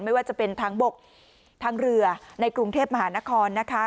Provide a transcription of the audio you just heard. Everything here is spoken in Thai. ไม่ว่าจะเป็นทางบกทางเรือในกรุงเทพมหานครนะคะ